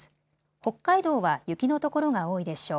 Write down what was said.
北海道は雪の所が多いでしょう。